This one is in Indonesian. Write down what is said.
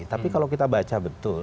tapi kalau kita baca betul